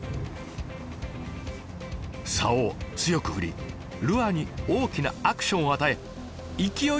サオを強く振りルアーに大きなアクションを与え勢い